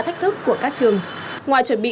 thách thức của các trường ngoài chuẩn bị